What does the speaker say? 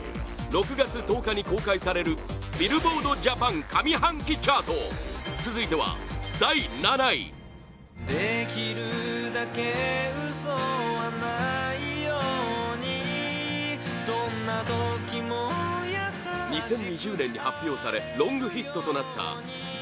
６月１０日に公開されるビルボード・ジャパン上半期チャート続いては第７位２０２０年に発表されロングヒットとなったｂａｃｋｎｕｍｂｅｒ